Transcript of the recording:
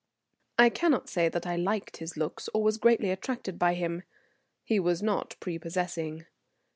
I cannot say that I liked his looks or was greatly attracted by him. He was not prepossessing.